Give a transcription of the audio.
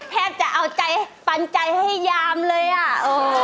แทบจะเอาใจปันใจให้ยามมาเลยอะ